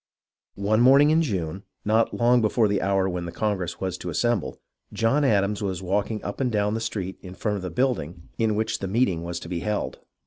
One morning in June, not long before the hour when the congress was to assemble, John Adams was walking up and down the street in front of the building in which the meeting was to be held.